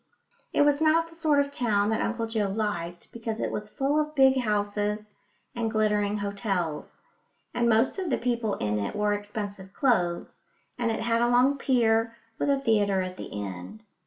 It was not the sort of town that Uncle Joe liked, because it was full of big houses and glittering hotels; and most of the people in it wore expensive clothes, and it had a long pier, with a theatre at the end.